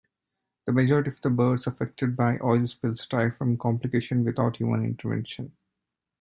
The majority of birds affected by oil spills die from complications without human intervention.